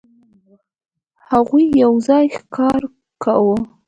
هغوی یو ځای ښکار کاوه.